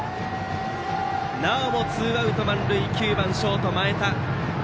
なおもツーアウト満塁で打席には９番ショート、前田。